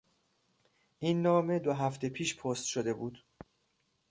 این نامه دو هفته پیش پست شده بود.